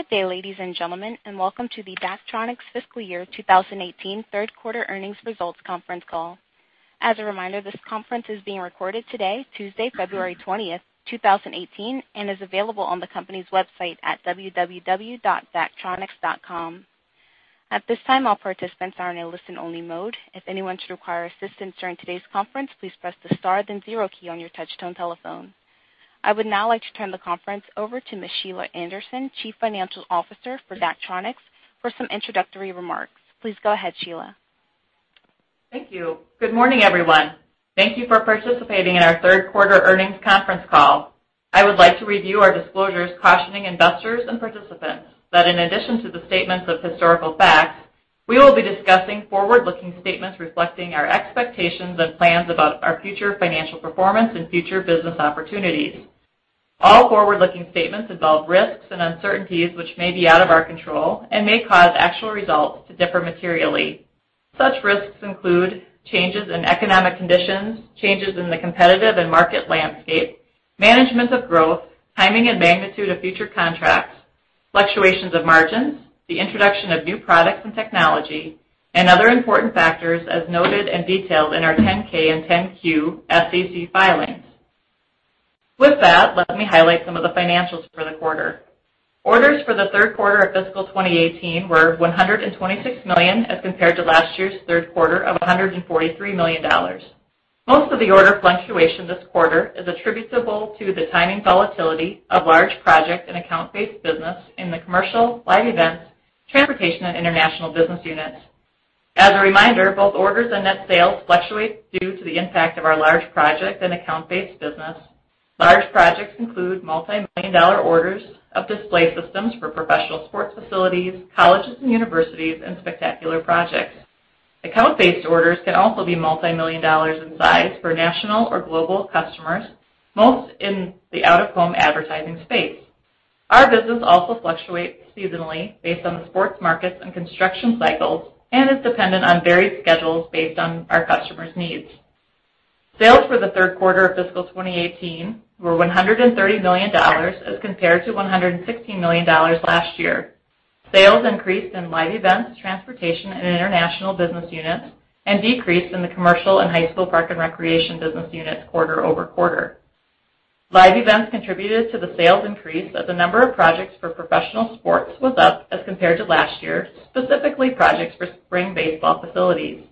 Good day, ladies and gentlemen. Welcome to the Daktronics fiscal year 2018 third quarter earnings results conference call. As a reminder, this conference is being recorded today, Tuesday, February 20th, 2018, and is available on the company's website at www.daktronics.com. At this time, all participants are in a listen-only mode. If anyone should require assistance during today's conference, please press the star then zero key on your touch-tone telephone. I would now like to turn the conference over to Ms. Sheila Anderson, Chief Financial Officer for Daktronics, for some introductory remarks. Please go ahead, Sheila. Thank you. Good morning, everyone. Thank you for participating in our third quarter earnings conference call. I would like to review our disclosures cautioning investors and participants that in addition to the statements of historical facts, we will be discussing forward-looking statements reflecting our expectations and plans about our future financial performance and future business opportunities. All forward-looking statements involve risks and uncertainties which may be out of our control and may cause actual results to differ materially. Such risks include changes in economic conditions, changes in the competitive and market landscape, management of growth, timing and magnitude of future contracts, fluctuations of margins, the introduction of new products and technology, and other important factors as noted and detailed in our 10K and 10Q SEC filings. With that, let me highlight some of the financials for the quarter. Orders for the third quarter of fiscal 2018 were $126 million as compared to last year's third quarter of $143 million. Most of the order fluctuation this quarter is attributable to the timing volatility of large project and account-based business in the commercial, live events, transportation, and international business units. As a reminder, both orders and net sales fluctuate due to the impact of our large project and account-based business. Large projects include multi-million dollar orders of display systems for professional sports facilities, colleges and universities, and spectacular projects. Account-based orders can also be multi-million dollars in size for national or global customers, most in the out-of-home advertising space. Our business also fluctuates seasonally based on the sports markets and construction cycles and is dependent on varied schedules based on our customers' needs. Sales for the third quarter of fiscal 2018 were $130 million as compared to $116 million last year. Sales increased in live events, transportation, and international business units, and decreased in the commercial and high school, park, and recreation business units quarter-over-quarter. Live events contributed to the sales increase as the number of projects for professional sports was up as compared to last year, specifically projects for spring baseball facilities.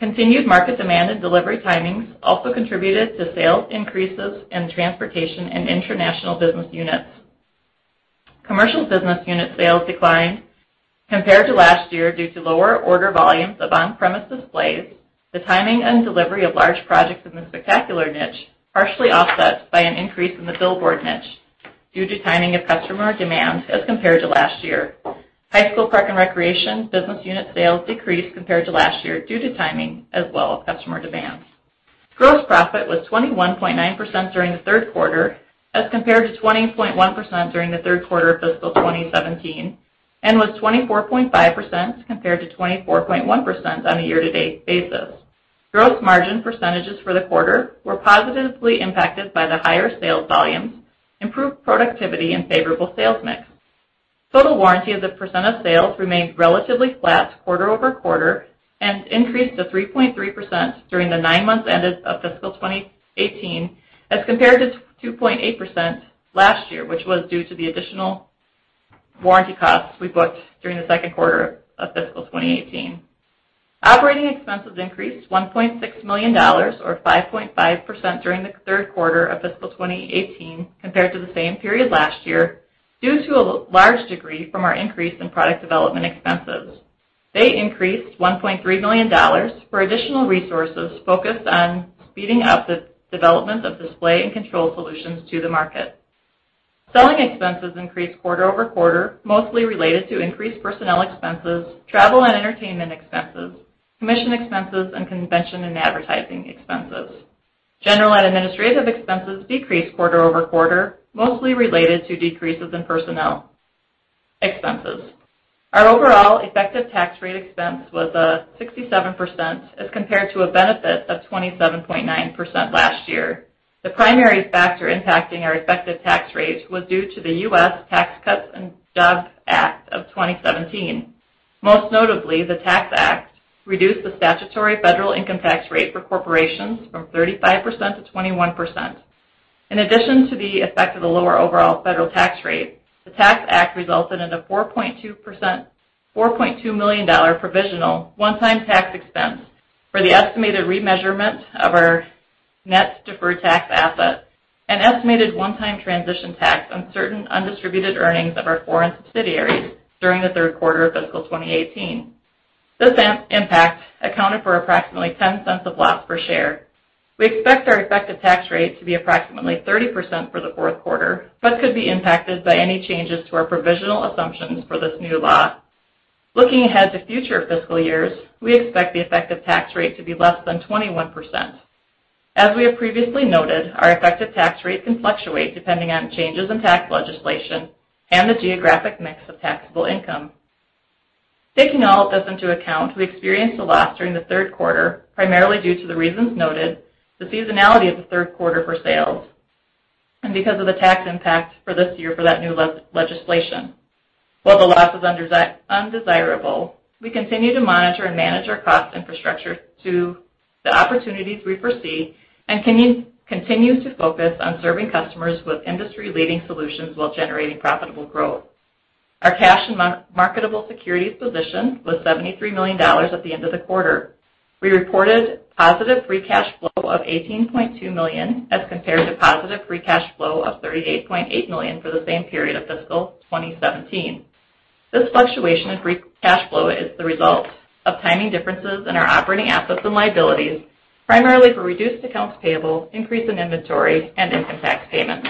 Continued market demand and delivery timings also contributed to sales increases in transportation and international business units. Commercial business unit sales declined compared to last year due to lower order volumes of on-premise displays, the timing and delivery of large projects in the spectacular niche, partially offset by an increase in the billboard niche due to timing of customer demand as compared to last year. High school, park, and recreation business unit sales decreased compared to last year due to timing as well as customer demands. Gross profit was 21.9% during the third quarter as compared to 20.1% during the third quarter of fiscal 2017, and was 24.5% compared to 24.1% on a year-to-date basis. Gross margin percentages for the quarter were positively impacted by the higher sales volumes, improved productivity, and favorable sales mix. Total warranty as a percent of sales remained relatively flat quarter-over-quarter and increased to 3.3% during the nine months ended of fiscal 2018 as compared to 2.8% last year, which was due to the additional warranty costs we booked during the second quarter of fiscal 2018. Operating expenses increased $1.6 million, or 5.5%, during the third quarter of fiscal 2018 compared to the same period last year, due to a large degree from our increase in product development expenses. They increased $1.3 million for additional resources focused on speeding up the development of display and control solutions to the market. Selling expenses increased quarter-over-quarter, mostly related to increased personnel expenses, travel and entertainment expenses, commission expenses, and convention and advertising expenses. General and administrative expenses decreased quarter-over-quarter, mostly related to decreases in personnel expenses. Our overall effective tax rate expense was 67% as compared to a benefit of 27.9% last year. The primary factor impacting our effective tax rate was due to the U.S. Tax Cuts and Jobs Act of 2017. Most notably, the Tax Act reduced the statutory federal income tax rate for corporations from 35% to 21%. In addition to the effect of the lower overall federal tax rate, the Tax Act resulted in a $4.2 million provisional one-time tax expense for the estimated remeasurement of our net deferred tax asset, an estimated one-time transition tax on certain undistributed earnings of our foreign subsidiaries during the third quarter of fiscal 2018. This impact accounted for approximately $0.10 of loss per share. We expect our effective tax rate to be approximately 30% for the fourth quarter, but could be impacted by any changes to our provisional assumptions for this new law. Looking ahead to future fiscal years, we expect the effective tax rate to be less than 21%. As we have previously noted, our effective tax rate can fluctuate depending on changes in tax legislation and the geographic mix of taxable income. Taking all of this into account, we experienced a loss during the third quarter, primarily due to the reasons noted, the seasonality of the third quarter for sales, and because of the tax impact for this year for that new legislation. While the loss is undesirable, we continue to monitor and manage our cost infrastructure to the opportunities we foresee and continue to focus on serving customers with industry-leading solutions while generating profitable growth. Our cash and marketable securities position was $73 million at the end of the quarter. We reported positive free cash flow of $18.2 million as compared to positive free cash flow of $38.8 million for the same period of fiscal 2017. This fluctuation in free cash flow is the result of timing differences in our operating assets and liabilities, primarily for reduced accounts payable, increase in inventory, and income tax payments,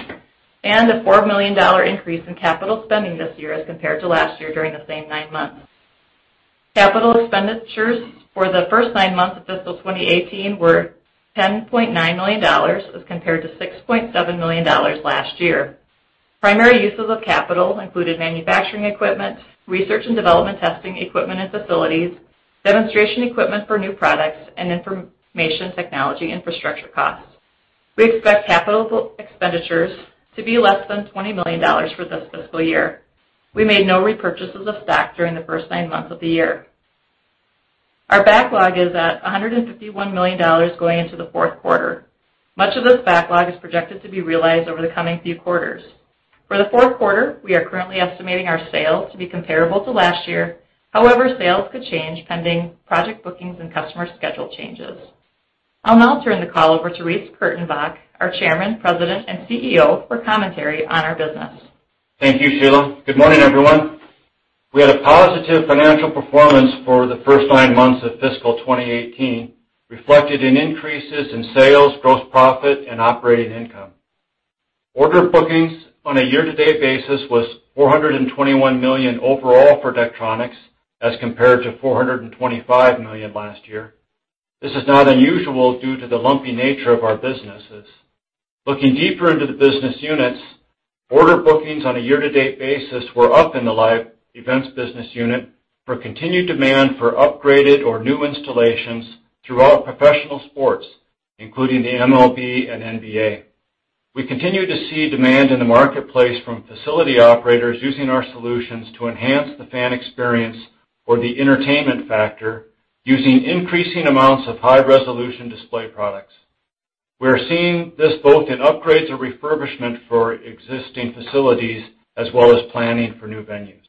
and a $4 million increase in capital spending this year as compared to last year during the same nine months. Capital expenditures for the first nine months of fiscal 2018 were $10.9 million as compared to $6.7 million last year. Primary uses of capital included manufacturing equipment, research and development testing equipment and facilities, demonstration equipment for new products, and information technology infrastructure costs. We expect capital expenditures to be less than $20 million for this fiscal year. We made no repurchases of stock during the first nine months of the year. Our backlog is at $151 million going into the fourth quarter. Much of this backlog is projected to be realized over the coming few quarters. For the fourth quarter, we are currently estimating our sales to be comparable to last year. However, sales could change pending project bookings and customer schedule changes. I'll now turn the call over to Reece Kurtenbach, our Chairman, President, and CEO, for commentary on our business. Thank you, Sheila. Good morning, everyone. We had a positive financial performance for the first nine months of fiscal 2018, reflected in increases in sales, gross profit, and operating income. Order bookings on a year-to-date basis was $421 million overall for Daktronics as compared to $425 million last year. This is not unusual due to the lumpy nature of our businesses. Looking deeper into the business units, order bookings on a year-to-date basis were up in the live events business unit for continued demand for upgraded or new installations throughout professional sports, including the MLB and NBA. We continue to see demand in the marketplace from facility operators using our solutions to enhance the fan experience or the entertainment factor using increasing amounts of high-resolution display products. We're seeing this both in upgrades or refurbishment for existing facilities, as well as planning for new venues.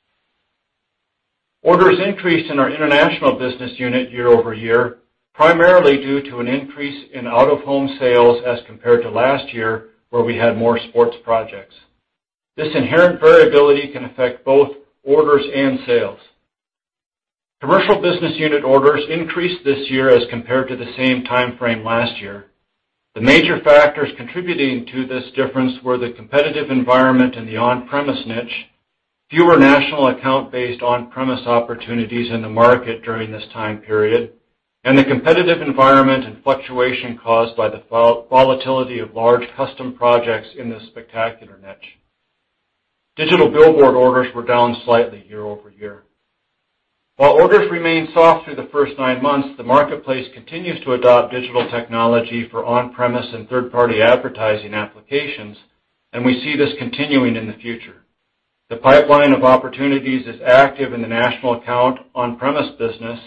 Orders increased in our international business unit year-over-year, primarily due to an increase in out-of-home sales as compared to last year, where we had more sports projects. This inherent variability can affect both orders and sales. Commercial business unit orders increased this year as compared to the same time frame last year. The major factors contributing to this difference were the competitive environment in the on-premise niche, fewer national account-based on-premise opportunities in the market during this time period, and the competitive environment and fluctuation caused by the volatility of large custom projects in the spectacular niche. Digital billboard orders were down slightly year-over-year. While orders remain soft through the first nine months, the marketplace continues to adopt digital technology for on-premise and third-party advertising applications, and we see this continuing in the future. The pipeline of opportunities is active in the national account on-premise business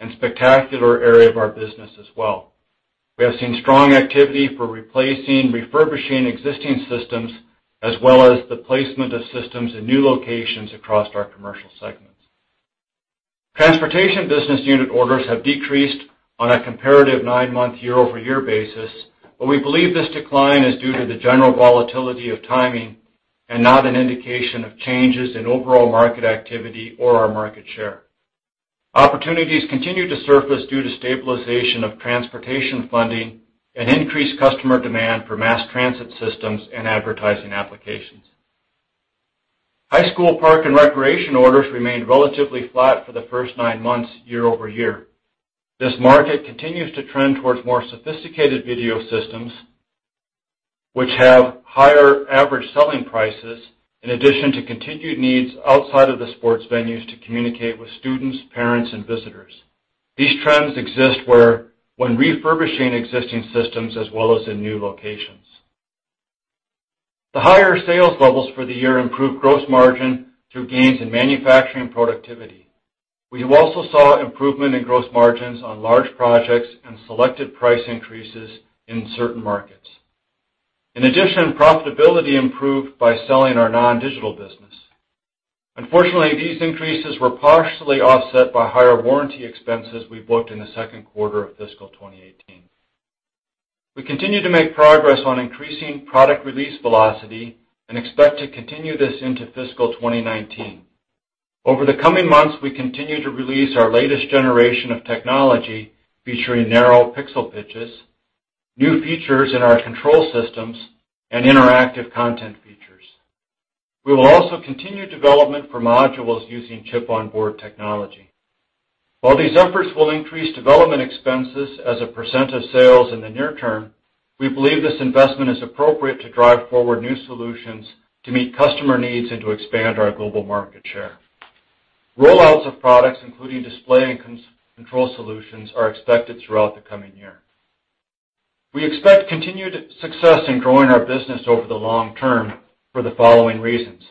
and spectacular area of our business as well. We have seen strong activity for replacing, refurbishing existing systems, as well as the placement of systems in new locations across our commercial segments. Transportation business unit orders have decreased on a comparative nine-month year-over-year basis, but we believe this decline is due to the general volatility of timing and not an indication of changes in overall market activity or our market share. Opportunities continue to surface due to stabilization of transportation funding and increased customer demand for mass transit systems and advertising applications. High school park and recreation orders remained relatively flat for the first nine months year-over-year. This market continues to trend towards more sophisticated video systems, which have higher average selling prices, in addition to continued needs outside of the sports venues to communicate with students, parents, and visitors. These trends exist when refurbishing existing systems as well as in new locations. The higher sales levels for the year improved gross margin through gains in manufacturing productivity. We have also saw improvement in gross margins on large projects and selected price increases in certain markets. In addition, profitability improved by selling our non-digital business. Unfortunately, these increases were partially offset by higher warranty expenses we booked in the second quarter of fiscal 2018. We continue to make progress on increasing product release velocity and expect to continue this into fiscal 2019. Over the coming months, we continue to release our latest generation of technology featuring narrow pixel pitches, new features in our control systems, and interactive content features. We will also continue development for modules using chip-on-board technology. While these efforts will increase development expenses as a % of sales in the near term, we believe this investment is appropriate to drive forward new solutions to meet customer needs and to expand our global market share. Rollouts of products, including display and control solutions, are expected throughout the coming year. We expect continued success in growing our business over the long term for the following reasons.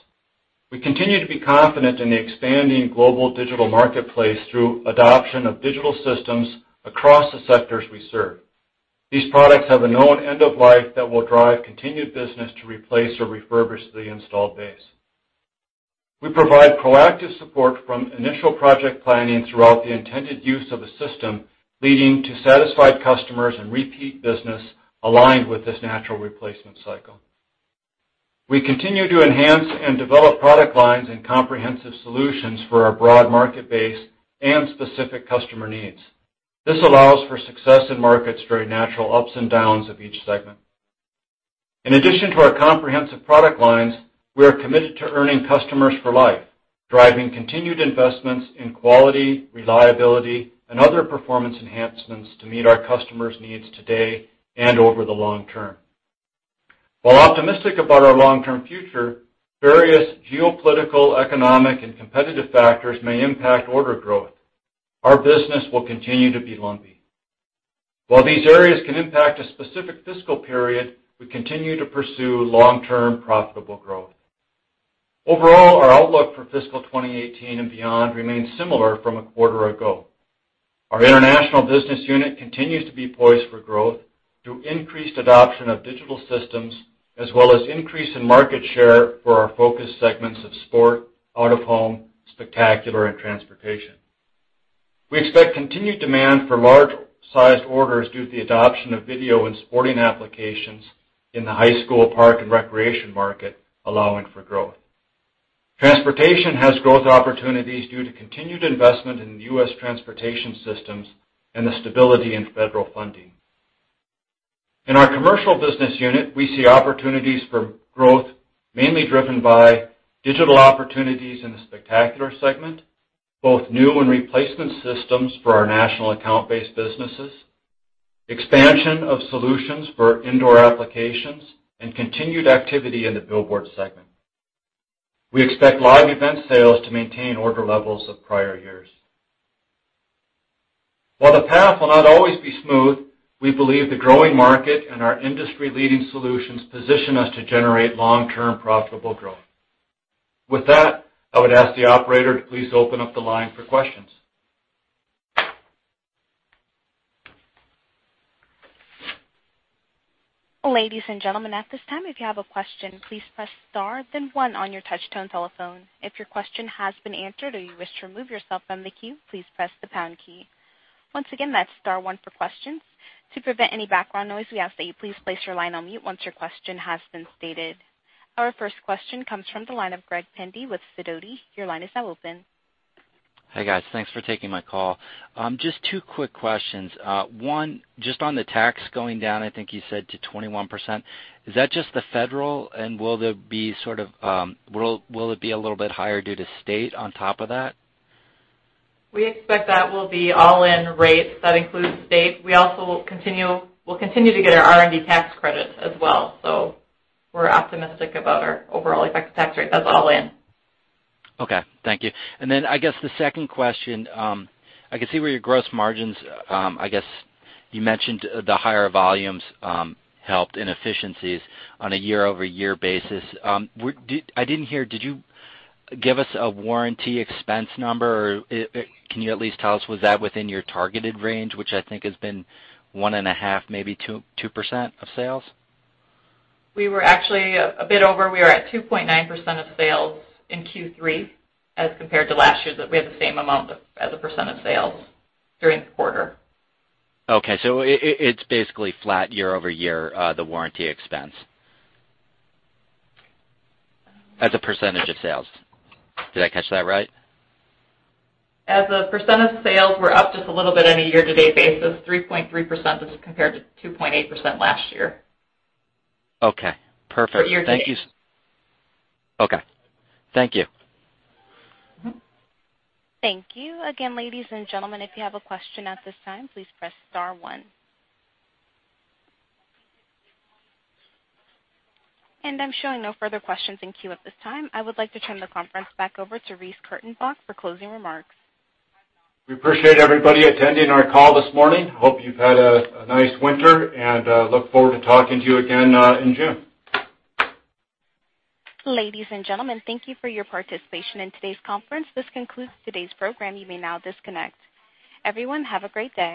We continue to be confident in the expanding global digital marketplace through adoption of digital systems across the sectors we serve. These products have a known end of life that will drive continued business to replace or refurbish the installed base. We provide proactive support from initial project planning throughout the intended use of a system, leading to satisfied customers and repeat business aligned with this natural replacement cycle. We continue to enhance and develop product lines and comprehensive solutions for our broad market base and specific customer needs. This allows for success in markets during natural ups and downs of each segment. In addition to our comprehensive product lines, we are committed to earning customers for life, driving continued investments in quality, reliability, and other performance enhancements to meet our customers' needs today and over the long term. While optimistic about our long-term future, various geopolitical, economic, and competitive factors may impact order growth. Our business will continue to be lumpy. While these areas can impact a specific fiscal period, we continue to pursue long-term profitable growth. Overall, our outlook for fiscal 2018 and beyond remains similar from a quarter ago. Our international business unit continues to be poised for growth through increased adoption of digital systems as well as increase in market share for our focus segments of sport, out of home, spectacular, and transportation. We expect continued demand for large-sized orders due to the adoption of video and sporting applications in the high school park and recreation market, allowing for growth. Transportation has growth opportunities due to continued investment in U.S. transportation systems and the stability in federal funding. In our commercial business unit, we see opportunities for growth mainly driven by digital opportunities in the spectacular segment, both new and replacement systems for our national account-based businesses, expansion of solutions for indoor applications, and continued activity in the billboard segment. We expect live event sales to maintain order levels of prior years. While the path will not always be smooth, we believe the growing market and our industry-leading solutions position us to generate long-term profitable growth. With that, I would ask the operator to please open up the line for questions. Ladies and gentlemen, at this time, if you have a question, please press star then one on your touch-tone telephone. If your question has been answered or you wish to remove yourself from the queue, please press the pound key. Once again, that's star one for questions. To prevent any background noise, we ask that you please place your line on mute once your question has been stated. Our first question comes from the line of Greg Pendy with Sidoti. Your line is now open. Hi, guys. Thanks for taking my call. Just two quick questions. One, just on the tax going down, I think you said to 21%, is that just the federal, and will it be a little bit higher due to state on top of that? We expect that will be all-in rates. That includes state. We also will continue to get our R&D tax credit as well. We're optimistic about our overall effective tax rate. That's all in. Okay, thank you. I guess the second question, I can see where your gross margins, I guess you mentioned the higher volumes helped in efficiencies on a year-over-year basis. I didn't hear, did you give us a warranty expense number? Or can you at least tell us, was that within your targeted range, which I think has been one and a half, maybe 2% of sales? We were actually a bit over. We are at 2.9% of sales in Q3 as compared to last year that we had the same amount as a % of sales during the quarter. Okay. It's basically flat year-over-year, the warranty expense. As a % of sales. Did I catch that right? As a percent of sales, we're up just a little bit on a year-to-date basis, 3.3% as compared to 2.8% last year. Okay, perfect. For year-to-date. Thank you. Okay. Thank you. Thank you. Again, ladies and gentlemen, if you have a question at this time, please press star one. I'm showing no further questions in queue at this time. I would like to turn the conference back over to Reece Kurtenbach for closing remarks. We appreciate everybody attending our call this morning. Hope you've had a nice winter, and look forward to talking to you again in June. Ladies and gentlemen, thank you for your participation in today's conference. This concludes today's program. You may now disconnect. Everyone, have a great day.